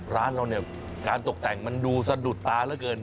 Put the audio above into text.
ร้านเราเนี่ยการตกแต่งมันดูสะดุดตาเหลือเกิน